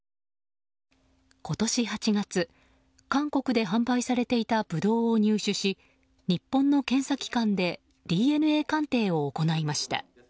今年８月、韓国で販売されていたブドウを入手し日本の検査機関でＤＮＡ鑑定を行いました。